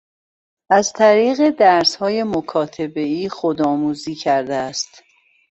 از طریق درسهای مکاتبهای خودآموزی کرده است.